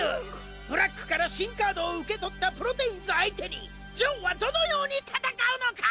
ブラックから新カードを受け取ったプロテインズ相手にジョーはどのように戦うのか？